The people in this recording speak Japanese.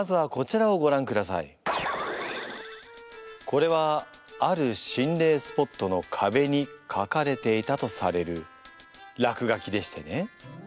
これはある心霊スポットのかべにかかれていたとされる落書きでしてね。